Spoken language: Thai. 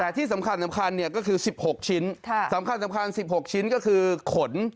แต่ที่สำคัญสำคัญเนี่ยก็คือสิบหกชิ้นค่ะสำคัญสำคัญสิบหกชิ้นก็คือขน